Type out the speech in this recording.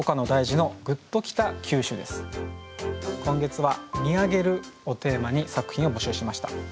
題して今月は「見上げる」をテーマに作品を募集しました。